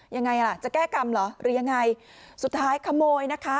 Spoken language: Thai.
ยังไงล่ะจะแก้กรรมเหรอหรือยังไงสุดท้ายขโมยนะคะ